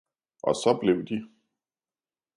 Og så blev de